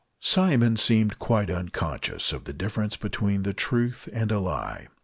Simon seemed quite unconscious of the difference between the truth and a lie.